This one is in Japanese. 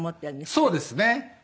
そうですね。